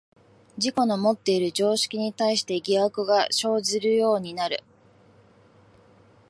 自己のもっている常識に対して疑惑が生ずるようになる。